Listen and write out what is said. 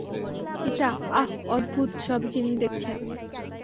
এটা, আহহ, অদ্ভুত সব জিনিস দেখছি আমি।